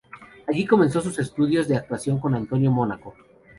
Allí comenzó sus estudios de actuación con Antonio Mónaco.